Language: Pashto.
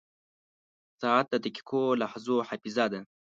• ساعت د دقیقو لحظو حافظه ده.